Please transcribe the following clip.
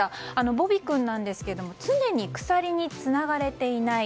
ボビ君は常に鎖につながれていない。